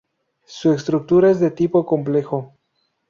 Su estructura es de tipo complejo.